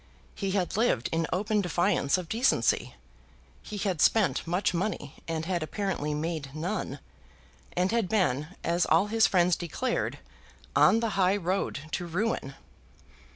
He had lived in open defiance of decency. He had spent much money and had apparently made none, and had been, as all his friends declared, on the high road to ruin.